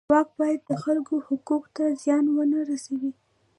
واک باید د خلکو حقونو ته زیان ونه رسوي.